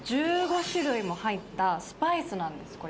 １５種類も入ったスパイスなんですこれ。